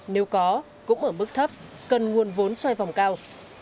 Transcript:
nếu có cũng ở mức thấp cần nguồn vốn xoay vòng cao